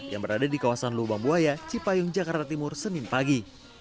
yang berada di kawasan lubang buaya cipayung jakarta timur senin pagi